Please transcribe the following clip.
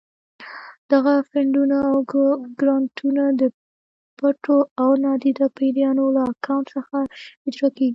دغه فنډونه او ګرانټونه د پټو او نادیده پیریانو له اکاونټ څخه اجرا کېږي.